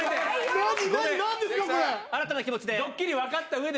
何、新たな気持ちで。